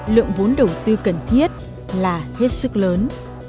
lượng vốn đầu tư cần thiết là hết sức lớn